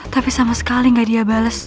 tapi sama sekali nggak dia bales